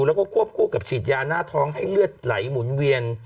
แล้วก็ควบคู่กับฉีดยาหน้าท้องให้เลือดไหลหมุนเวียน